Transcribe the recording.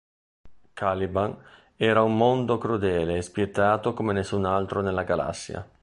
Caliban era un mondo crudele e spietato come nessun altro nella galassia.